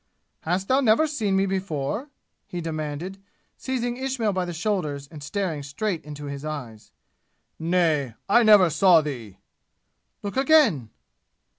"Hast thou never seen me before?" he demanded, seizing Ismail by the shoulders and staring straight into his eyes. "Nay, I never saw thee!" "Look again!"